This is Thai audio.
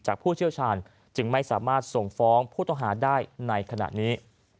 ผู้เชี่ยวชาญจึงไม่สามารถส่งฟ้องผู้ต้องหาได้ในขณะนี้